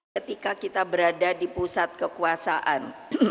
ketika kita berada di pusat kekuasaan